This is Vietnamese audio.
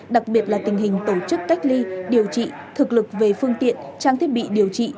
đặc biệt là tình hình tổ chức cách ly điều trị thực lực về phương tiện trang thiết bị điều trị